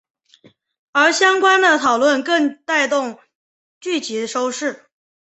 而相关的讨论更带动剧集收视。